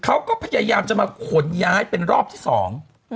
เขาก็พยายามจะมาขนย้ายเป็นรอบที่สอง